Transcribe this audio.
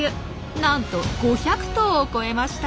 なんと５００頭を超えました。